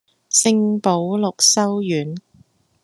聖保祿修院